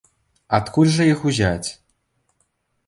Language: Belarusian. Адкуль жа іх узяць?